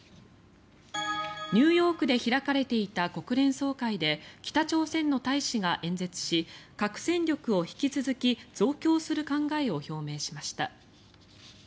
ニューヨークで開かれていた国連総会で北朝鮮の大使が演説し核戦力を引き続き増強する考えを表明しました。